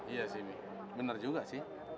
iya sih mi benar juga sih